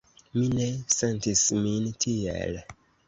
Mi ne sentis min tiel.